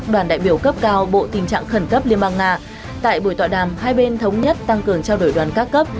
tại buổi tọa đàm hai bên thống nhất tăng cường trao đổi đoàn các cấp